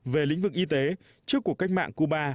về lĩnh vực y tế trước cuộc cách mạng cuba